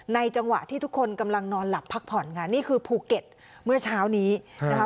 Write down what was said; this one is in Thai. จังหวะที่ทุกคนกำลังนอนหลับพักผ่อนค่ะนี่คือภูเก็ตเมื่อเช้านี้นะคะ